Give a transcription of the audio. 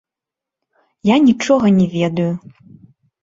Я нічога не ведаю!